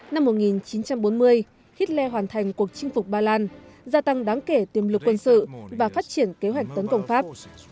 năm một nghìn chín trăm bốn mươi hitler hoàn thành cuộc chinh phục ba lan gia tăng đáng kể tiềm lực quân sự và phát triển kế hoạch tấn công pháp